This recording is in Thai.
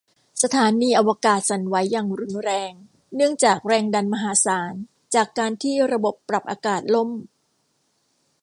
สถานีอวกาศสั่นไหวอย่างรุนแรงเนื่องจากแรงดันมหาศาลจากการที่ระบบปรับอากาศล่ม